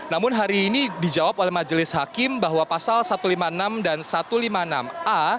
namun hari ini dijawab oleh majelis hakim bahwa pasal satu ratus lima puluh enam dan satu ratus lima puluh enam a